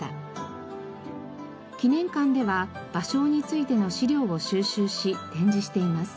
記念館では芭蕉についての資料を収集し展示しています。